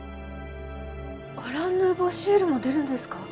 アラン・ヌーボー・シエルも出るんですか？